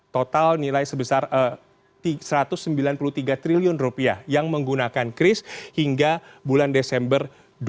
total nilai sebesar satu ratus sembilan puluh tiga triliun yang menggunakan kris hingga bulan desember dua ribu dua puluh